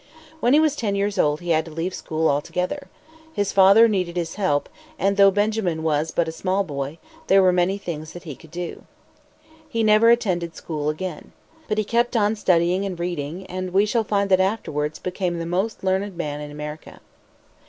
When he was ten years old he had to leave school altogether. His father needed his help; and though Benjamin was but a small boy, there were many things that he could do. He never attended school again. But he kept on studying and reading; and we shall find that he afterwards became the most learned man in America.